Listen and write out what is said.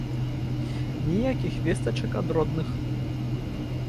Ніякіх вестачак ад родных.